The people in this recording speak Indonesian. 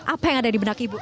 apa yang ada di benak ibu